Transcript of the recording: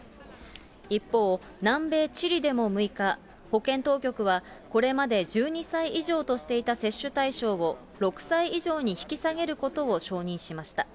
一方、南米チリでも６日、保健当局はこれまで１２歳以上としていた接種対象を６歳以上に引き下げることを承認しました。